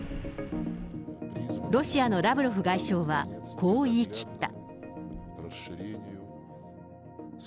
ロシアのラブロフ外相はこう言い切った。